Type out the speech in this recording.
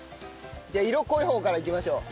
じゃあ色濃い方からいきましょう。